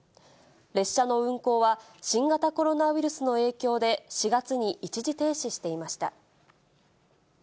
列車の運行は、新型コロナウイルスの影響で、４月に一時停止していました。